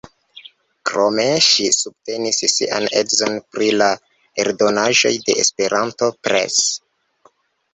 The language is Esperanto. Krome ŝi subtenis sian edzon pri la eldonaĵoj de Esperanto Press.